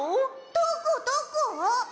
どこどこ？